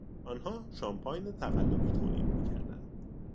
آنها شامپاین تقلبی تولید میکردند.